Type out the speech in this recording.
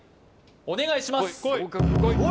お願いします